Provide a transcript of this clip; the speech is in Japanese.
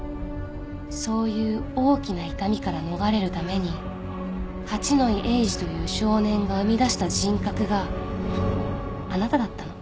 そういう大きな痛みから逃れるために八野衣エイジという少年が生み出した人格があなただったの。